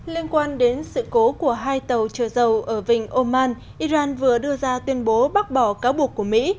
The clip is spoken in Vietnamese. liên quan đến sự cố của hai tàu chở dầu ở vịnh oman iran vừa đưa ra tuyên bố bác bỏ cáo buộc của mỹ